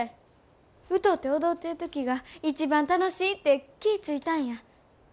歌うて踊ってる時が一番楽しいって気ぃ付いたんや。